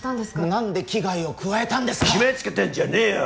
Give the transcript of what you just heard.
何で危害を加えたんですかっ決めつけてんじゃねえよ